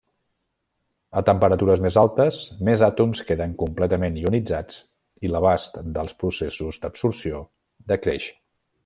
A temperatures més altes, més àtoms queden completament ionitzats i l'abast dels processos d'absorció decreix.